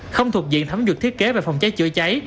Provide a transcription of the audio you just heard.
không thuộc diện thấm dược thiết kế về phòng cháy chữa cháy